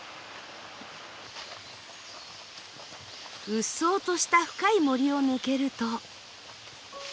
うっそうとした深い森を抜けると。